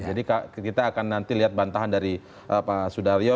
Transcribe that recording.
jadi kita akan nanti lihat bantahan dari pak sudaryo